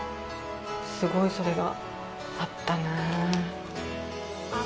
すごいそれがあったな。